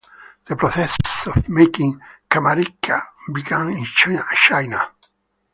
The process of making kamairicha began in China.